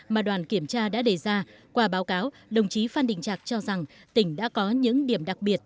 mà đoàn kiểm tra đã đề ra qua báo cáo đồng chí phan đình trạc cho rằng tỉnh đã có những điểm đặc biệt